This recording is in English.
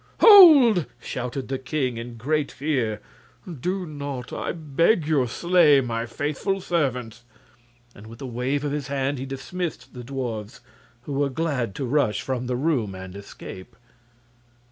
"Hold!" shouted the king, in great fear. "Do not, I beg you, slay my faithful servants." And with a wave of his hand he dismissed the dwarfs, who were glad to rush from the room and escape.